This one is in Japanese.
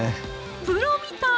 プロみたい！